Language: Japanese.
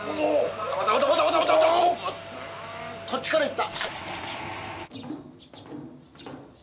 こっちからいった。